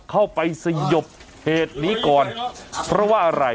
เข้าไปสยบเหตุนี้ก่อนเพราะว่าอะไร